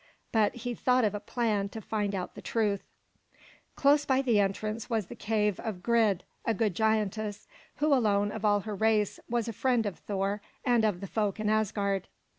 But he thought of a plan to find out the truth. Close by the entrance was the cave of Grid, a good giantess, who alone of all her race was a friend of Thor and of the folk in Asgard.